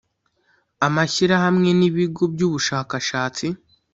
Amashyirahamwe n Ibigo by Ubushakashatsi